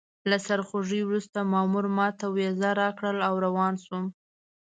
له سرخوږي وروسته مامور ماته ویزه راکړه او روان شوم.